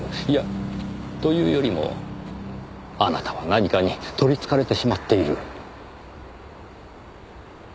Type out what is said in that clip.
いやというよりもあなたは何かに取りつかれてしまっている。